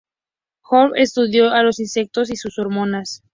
Hoffmann estudió a los insectos y sus hormonas.